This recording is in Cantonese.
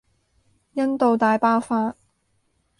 印度大爆發